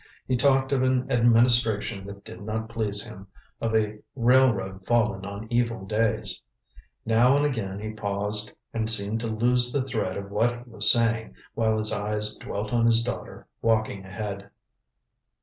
He talked of an administration that did not please him, of a railroad fallen on evil days. Now and again he paused and seemed to lose the thread of what he was saying, while his eyes dwelt on his daughter, walking ahead.